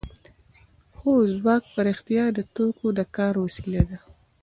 هو ځواک په رښتیا د توکو د کار وسیله ده